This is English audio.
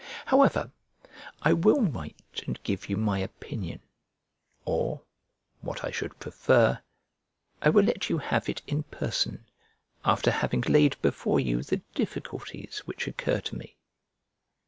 However, I will write and give you my opinion, or (what I should prefer) I will let you have it in person, after having laid before you the difficulties which occur to me.